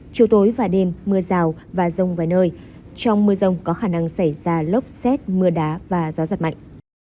chiều tối và đêm mưa rào và rông vài nơi trong mưa rông có khả năng xảy ra lốc xét mưa đá và gió giật mạnh